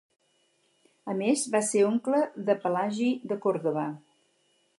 A més, va ser oncle de Pelagi de Còrdova.